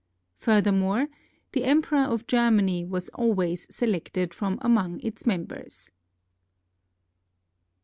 Furthermore the Emperor of Germany was always selected from among its members.